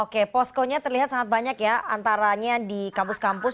oke poskonya terlihat sangat banyak ya antaranya di kampus kampus